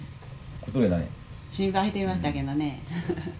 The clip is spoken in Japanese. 心配していましたけどね。